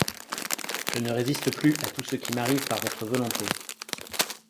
Je ne résiste plus à tout ce qui m’arrivePar votre volonté.